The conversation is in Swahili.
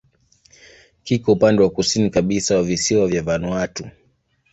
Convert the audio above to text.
Kiko upande wa kusini kabisa wa visiwa vya Vanuatu.